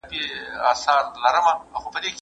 شمال د دغې پاڼې نرمه غاړه ماته نه کړه.